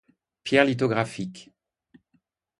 Pierre lithographique.